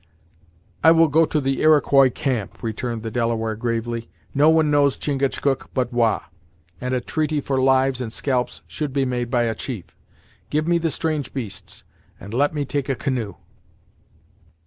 "I will go to the Iroquois camp," returned the Delaware, gravely. "No one knows Chingachgook but Wah, and a treaty for lives and scalps should be made by a chief. Give me the strange beasts, and let me take a canoe."